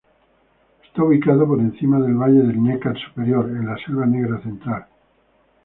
Está ubicado por encima del valle del Neckar Superior en la Selva Negra Central.